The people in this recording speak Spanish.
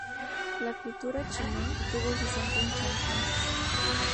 La Cultura Chimú tuvo su centro en Chan Chan.